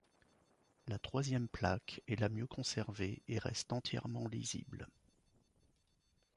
La troisième plaque est la mieux conservée est reste entièrement lisible.